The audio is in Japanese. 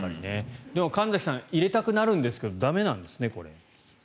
でも神崎さん入れたくなるんですけど駄目なんですね。